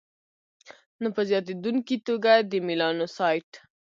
نو په زیاتېدونکي توګه د میلانوسایټ